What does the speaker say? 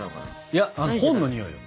いや本のにおいよ！